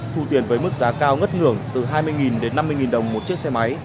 thu tiền với mức giá cao ngất ngường từ hai mươi đến năm mươi đồng một chiếc xe máy